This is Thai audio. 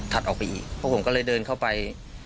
ถัดออกไปอีกเพราะผมก็เลยเดินเข้าไป